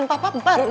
eh kita mau husbands